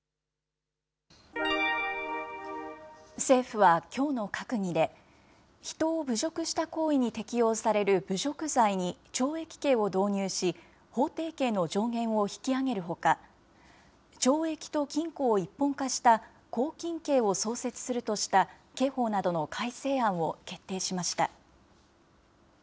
政府はきょうの閣議で、人を侮辱した行為に適用される侮辱罪に懲役刑を導入し、法定刑の上限を引き上げるほか、懲役と禁錮を一本化した拘禁刑を創設するとした、刑法などの改正案を決定しました。